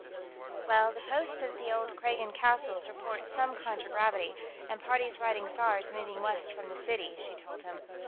"Well, the posts at the old Kragan castles report some contragravity, and parties riding 'saurs, moving west from the city," she told him.